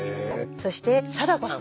そして貞子さん。